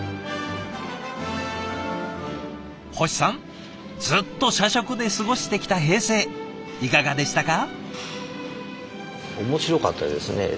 星さんずっと社食で過ごしてきた平成いかがでしたか？